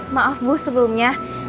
maaf bu sebelumnya